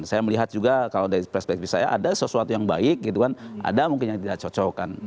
saya melihat juga kalau dari perspektif saya ada sesuatu yang baik gitu kan ada mungkin yang tidak cocok kan